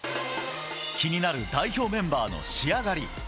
気になる代表メンバーの仕上がり。